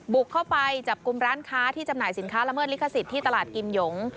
บุกเข้าไปจับกลุ่มร้านค้าที่จำหน่ายสินค้าละเมิดลิขสิทธิ์ที่ตลาดกิมหยง